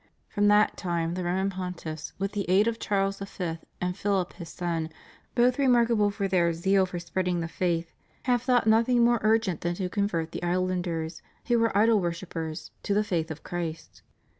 From that time the Roman Pontiffs, with the aid of Charles V. and Philip his son, both remarkable for their zeal for spreading the faith, have thought nothing more urgent than to convert the islanders, who were idol wor shippers, to the faith of Christ.